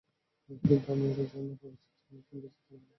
কিন্তু আমি এটা এজন্য করছি যেন তুমি বেঁচে থাকতে পারো।